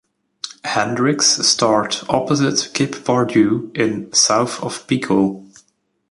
Hendricks starred opposite Kip Pardue in "South of Pico".